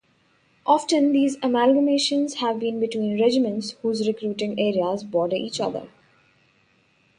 Often, these amalgamations have been between regiments whose recruiting areas border each other.